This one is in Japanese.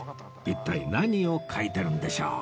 一体何を描いてるんでしょう？